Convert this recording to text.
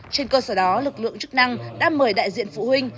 trên cơ sở đó lực lượng chức năng đã mời đại diện phụ huynh